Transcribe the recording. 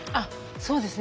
そうですね。